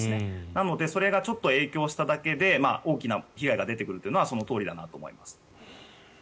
なのでそれがちょっと影響しただけで大きな被害が出てくるというのはそのとおりだなと思います。